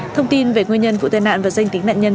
thông tin về nguyên nhân vụ tai nạn và danh tính nạn nhân